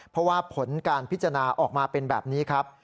เพราะว่าผลการพิจารณาออกมาเป็นแบบนี้ครับ